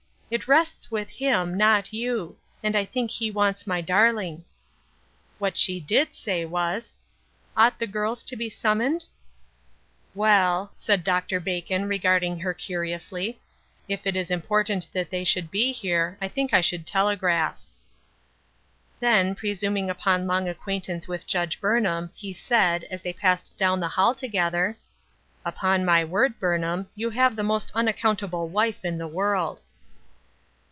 It rests with Him, not you ; and I think he wants my darling." What she did say was :*' Ought the girls to be summoned ?"" Well," said Dr. Bacon, regarding her curi ously, " if it is important that they should be here, I think I should telegraph." Then, presuming upon long acquaintance with Judge Burnham, he said, as they passed down the hall together :" Upon my word, Burnham, you have the most unaccountable wife in the world."